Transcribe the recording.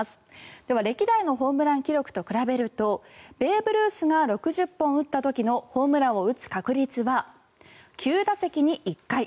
では、歴代のホームラン記録と比べるとベーブ・ルースが６０本打った時のホームランを打つ確率は９打席に１回。